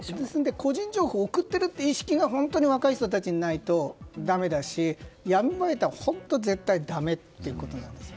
個人情報を送っている意識が若い人たちにないとだめ出し闇バイトは、本当に絶対だめということなんです。